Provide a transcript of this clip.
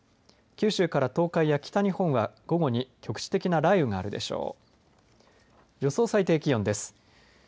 九州から東海や北日本は午後に局地的な雷雨があるでしょう。